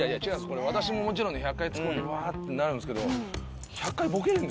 これ私ももちろんね１００回ツッコんでうわーってなるんすけど１００回ボケるんでしょ？